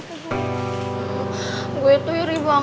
makanya sekarang si samuel tuh udah bisa berhenti